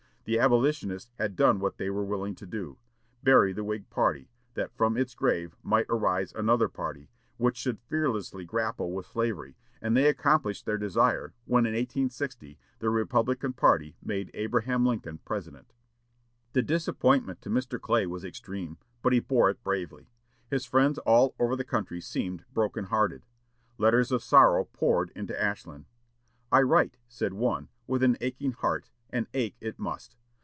The abolitionists had done what they were willing to do, bury the Whig party, that from its grave might arise another party, which should fearlessly grapple with slavery, and they accomplished their desire, when, in 1860, the Republican party made Abraham Lincoln President. The disappointment to Mr. Clay was extreme, but he bore it bravely. His friends all over the country seemed broken hearted. Letters of sorrow poured into Ashland. "I write," said one, "with an aching heart, and ache it must.